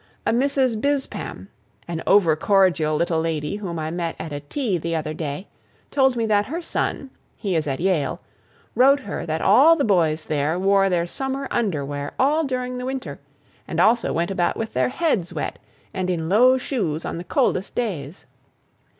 A Mrs. Bispam, an overcordial little lady whom I met at a tea the other day, told me that her son, he is at Yale, wrote her that all the boys there wore their summer underwear all during the winter, and also went about with their heads wet and in low shoes on the coldest days.